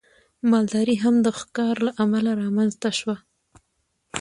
مالداري هم د ښکار له امله رامنځته شوه.